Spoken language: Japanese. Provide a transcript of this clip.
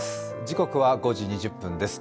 時刻は５時２０分です。